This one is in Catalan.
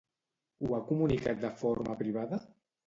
Ho ha comunicat de forma privada?